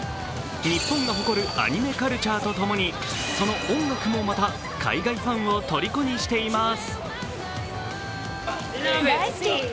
日本が誇るアニメカルチャーとともに、その音楽もまた海外ファンをとりこにしています。